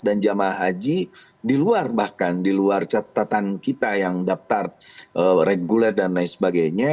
jemaah haji di luar bahkan di luar catatan kita yang daftar reguler dan lain sebagainya